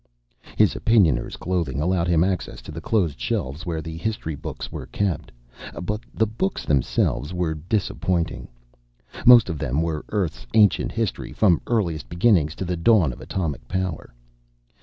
His Opinioner's clothing allowed him access to the closed shelves where the history books were kept. But the books themselves were disappointing. Most of them were Earth's ancient history, from earliest beginnings to the dawn of atomic power.